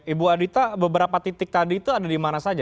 ibu adita beberapa titik tadi itu ada di mana saja